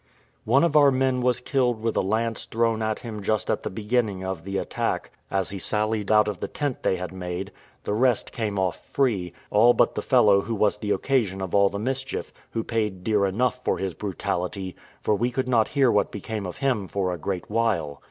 One of our men was killed with a lance thrown at him just at the beginning of the attack, as he sallied out of the tent they had made; the rest came off free, all but the fellow who was the occasion of all the mischief, who paid dear enough for his brutality, for we could not hear what became of him for a great while.